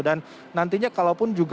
dan nantinya kalau pun juga